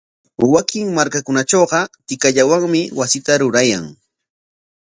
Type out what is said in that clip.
Wakin markakunatrawqa tikallawanmi wasita rurayan.